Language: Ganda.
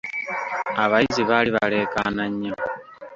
Abayizi baali balekaana nnyo.